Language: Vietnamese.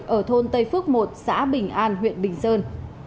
ở thôn tây phước một xã bình an huyện bình sơn